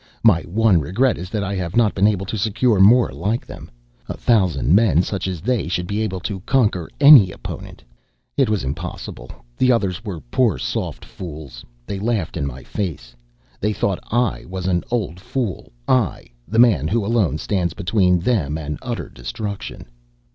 My one regret is that I have not been able to secure more like them. A thousand men such as they should be able to conquer any opponent. It was impossible. The others were poor soft fools. They laughed in my face. They thought I was an old fool I, the man who alone stands between them and utter destruction."